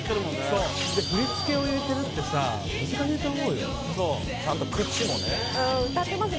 そうで振り付けを入れてるってさ難しいと思うよ・ちゃんと口もね歌ってます